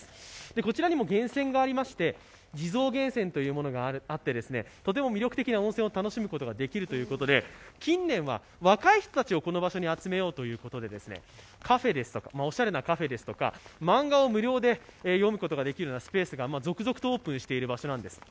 こちらにも源泉がありまして、地蔵源泉というものがありまして、とても魅力的な温泉を楽しむことができるということで、近年は若い人たちをこの場所に集めようということでおしゃれなカフェですとか漫画を無料で読むことができるスペースが続々とオープンしている場所なんです。